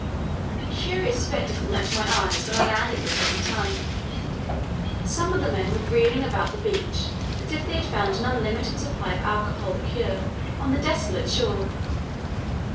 A curious spectacle met my eyes when I landed the second time. Some of the men were reeling about the beach as if they had found an unlimited supply of alcoholic liquor on the desolate shore.